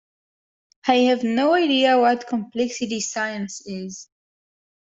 I have no idea what complexity science is.